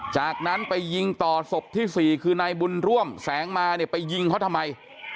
จากนั้นไปยิงต่อศพที่๔คือนายบุญร่วมแสงมาเนี่ยไปยิงเขาทำไม